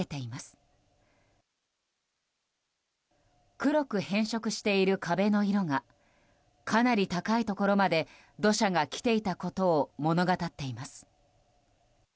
黒く変色している壁の色がかなり高いところまで土砂が来ていたことを物語っています。